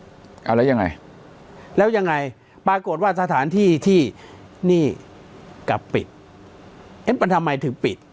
เอาแล้วยังไงแล้วยังไงปรากฏว่าสถานที่ที่นี่กลับปิดเอ๊ะมันทำไมถึงปิด